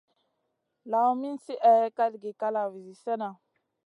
Lawn min slihè kalgi kalavi zi slena.